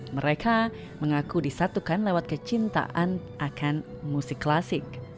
mereka mengaku disatukan lewat kecintaan akan musik klasik